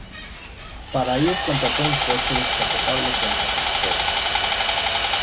Para ir contrató un coche descapotable con conductor.